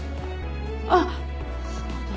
あっそうだ。